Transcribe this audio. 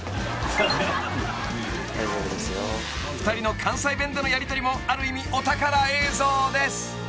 ［２人の関西弁でのやりとりもある意味お宝映像です］